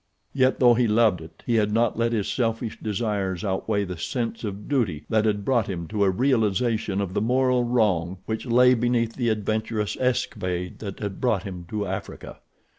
Yet, though he loved it, he had not let his selfish desires outweigh the sense of duty that had brought him to a realization of the moral wrong which lay beneath the adventurous escapade that had brought him to Africa.